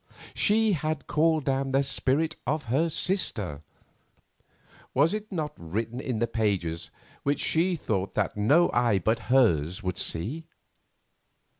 She had called down the spirit of her sister. Was it not written in the pages which she thought that no eye but hers would see?